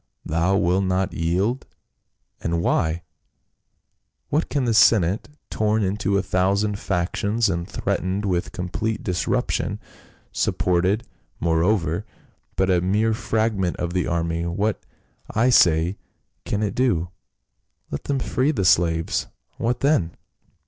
Thou wilt not yield, and why ? What can the senate, torn into a thousand factions and threat ened with complete disruption, supported, moreover, by a mere fragment of the army, what, I say, can it do ? Let them free the slaves, what then